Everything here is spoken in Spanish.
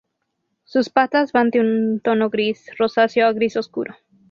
Sus patas van de un tono gris rosáceo a gris oscuro.